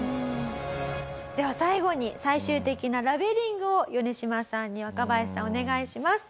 では最後に最終的なラベリングをヨネシマさんに若林さんお願いします。